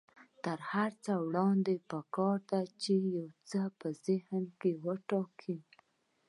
تر هر څه وړاندې پکار ده چې يو څه په ذهن کې وټاکئ.